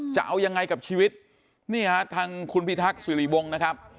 จะเอายังไงกับชีวิตนี่ฮะทางคุณพิทักษิริวงศ์นะครับ